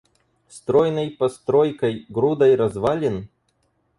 Стройной постройкой, грудой развалин?